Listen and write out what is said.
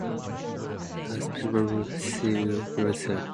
He specialised on experimental petrology and studied alkali pyroxenes.